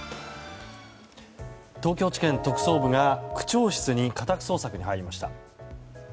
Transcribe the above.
東京地検特捜部が区長室に家宅捜索に入りました。